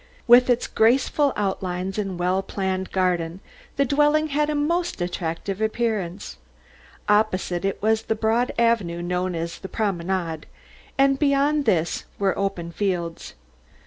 With its graceful outlines and well planned garden, the dwelling had a most attractive appearance. Opposite it was the broad avenue known as the Promenade, and beyond this were open fields.